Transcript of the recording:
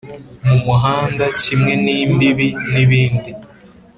mu muhanda kimwe n'imbibi n'ibindi